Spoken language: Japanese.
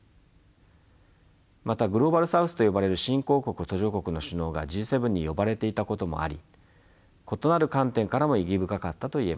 またグローバル・サウスと呼ばれる新興国・途上国の首脳がＧ７に呼ばれていたこともあり異なる観点からも意義深かったと言えましょう。